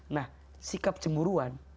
nah sikap cemburuan